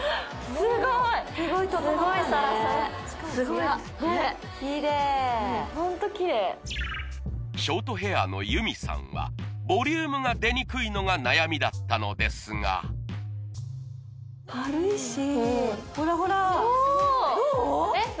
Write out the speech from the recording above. すごいサラサラ・すごい・キレイ・ホントキレイショートヘアの由美さんはボリュームが出にくいのが悩みだったのですが軽いしほらほらどう？